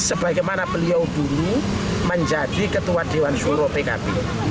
sebagai mana beliau dulu menjadi ketua dewan juro pkb